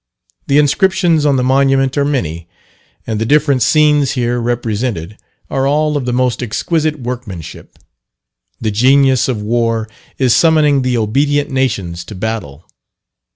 The inscriptions on the monument are many, and the different scenes here represented are all of the most exquisite workmanship. The genius of War is summoning the obedient nations to battle.